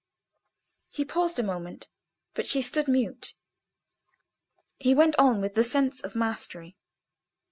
He paused a moment, but she stood mute. He went on with the sense of mastery.